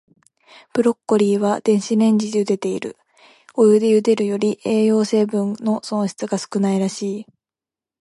ブロッコリーは、電子レンジでゆでている。お湯でゆでるより、栄養成分の損失が少ないらしい。